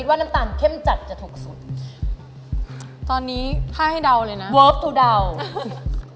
แตกต่างกับสียังแตกต่างราคาด้วย